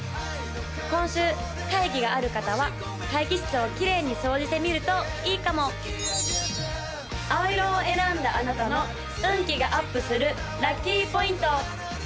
今週会議がある方は会議室をきれいに掃除してみるといいかも青色を選んだあなたの運気がアップするラッキーポイント！